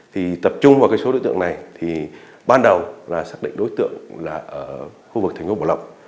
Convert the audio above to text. thì tập trung vào cái số đối tượng này thì ban đầu là xác định đối tượng là ở khu vực thành phố bảo lộc